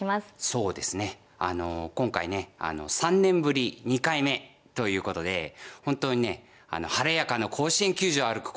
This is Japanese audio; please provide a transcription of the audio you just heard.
そうですねあの今回ね３年ぶり２回目ということで本当にね晴れやかな甲子園球場を歩く